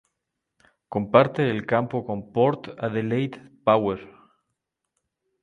Comparte el campo con Port Adelaide Power.